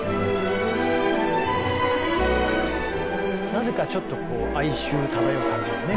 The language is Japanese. なぜかちょっと哀愁漂う感じがね